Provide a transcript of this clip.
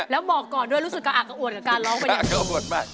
แล้วบอกก่อนด้วยรู้สึกกะอักอวดกับการร้องไปอย่างนี้